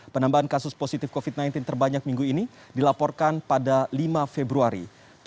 penambahan kasus positif covid sembilan belas terbanyak minggu ini dilaporkan pada lima februari